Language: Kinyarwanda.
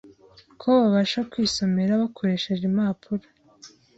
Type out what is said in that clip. ko babasha kwisomera bakoresheje impapuro